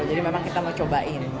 jadi memang kita mau cobain